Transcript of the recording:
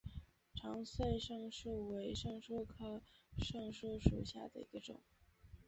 长穗柽柳为柽柳科柽柳属下的一个种。